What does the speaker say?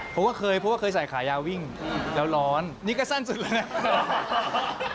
เพราะว่าเคยใส่ขายาววิ่งแล้วร้อนนี่ก็สั้นสุดแล้วนะครับ